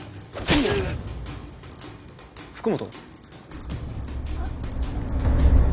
福本？